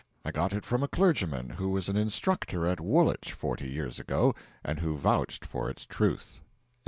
I got it from a clergyman who was an instructor at Woolwich forty years ago, and who vouched for its truth.